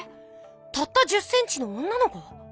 たった１０ｃｍの女の子？